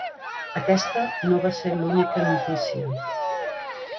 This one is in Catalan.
Aquesta no va ser l’única notícia.